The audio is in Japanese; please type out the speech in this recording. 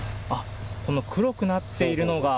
この黒くなっているのが？